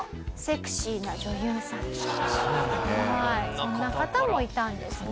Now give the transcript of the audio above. そんな方もいたんですね。